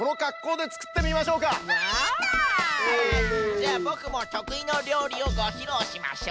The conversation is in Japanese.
じゃあボクもとくいのりょうりをごひろうしましょう。